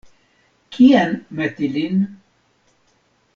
Kien meti lin?